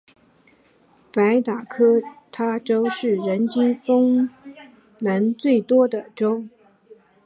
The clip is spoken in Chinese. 北达科他州是人均风能最多的州。